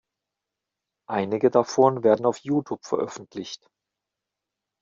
Einige davon werden auf Youtube veröffentlicht.